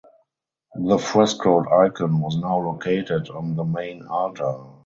The frescoed icon was now located on the main altar.